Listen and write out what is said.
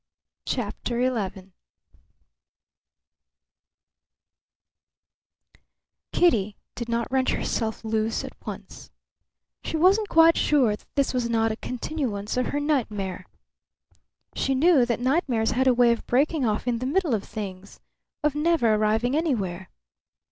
CHAPTER XI Kitty did not wrench herself loose at once. She wasn't quite sure that this was not a continuance of her nightmare. She knew that nightmares had a way of breaking off in the middle of things, of never arriving anywhere.